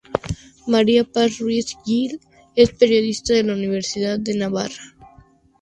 María Paz Ruiz Gil es periodista de la Universidad de Navarra.